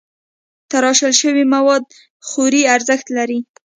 تراشل شوي مواد خوري ارزښت لري.